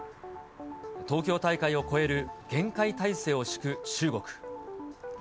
東京大会を超える厳戒態勢を敷く中国。